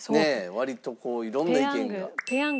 割とこう色んな意見が。